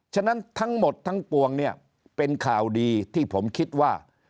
ฉะนั้นทั้งหมดทั้งปวงเนี่ยเป็นข่าวดีที่ผมคิดว่า